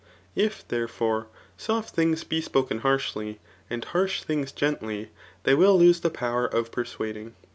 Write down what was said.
If, therefore, soft thing? be spoken harshly, and harsh things gently, they will lose the power of persuading.